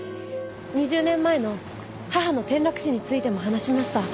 ２０年前の母の転落死についても話しました。